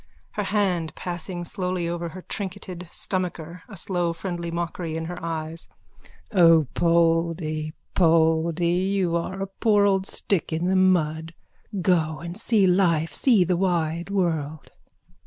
(Her hands passing slowly over her trinketed stomacher, a slow friendly mockery in her eyes.) O Poldy, Poldy, you are a poor old stick in the mud! Go and see life. See the wide world.